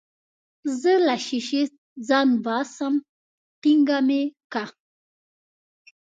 زه له ښيښې ځان باسم ټينګه مې که.